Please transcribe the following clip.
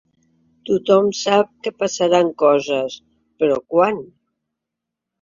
Tothom sap que passaran coses, però quan?